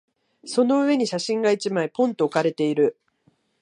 その上に写真が一枚、ぽんと置かれている。